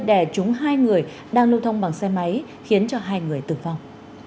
để chúng hai người đang lưu thông bằng xe máy khiến cho hai người tử vong